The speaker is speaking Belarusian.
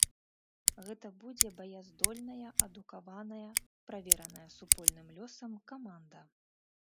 Гэта будзе баяздольная, адукаваная, правераная супольным лёсам каманда.